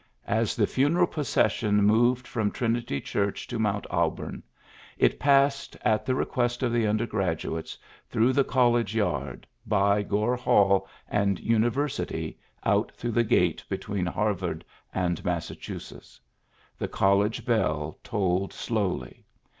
As the funeral procession moved from Trinity Church to Mount Auburn, it passed, at the request of the undergraduates, through the college yard, by Gore Hall and Uni versity out through the gate between Harvard and Massachusetts. The college bell tolled slowly.